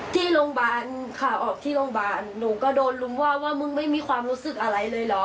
ที่โรงพยาบาลค่ะออกที่โรงพยาบาลหนูก็โดนลุมว่าว่ามึงไม่มีความรู้สึกอะไรเลยเหรอ